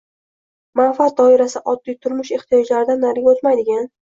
manfaat doirasi oddiy turmush ehtiyojlaridan nariga o‘tmaydigan